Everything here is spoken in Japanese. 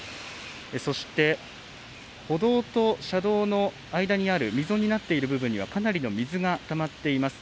そして、歩道と車道の間にある溝になっている部分にはかなりの水がたまっています。